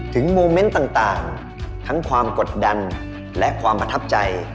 โมเมนต์ต่างทั้งความกดดันและความประทับใจ